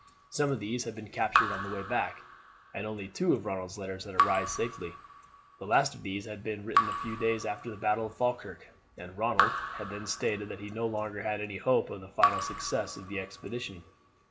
Some of these had been captured on the way back, and only two of Ronald's letters had arrived safely. The last of these had been written a few days after the battle of Falkirk, and Ronald had then stated that he no longer had any hope of the final success of the expedition.